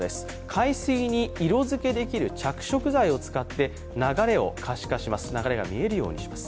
海水に色づけできる着色剤を使って流れを可視化、流れが見えるようにします。